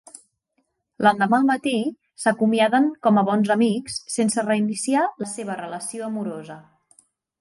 L'endemà al matí, s'acomiaden com a bons amics sense reiniciar la seva relació amorosa.